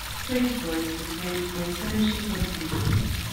Both boys were played by Serge Lecointe.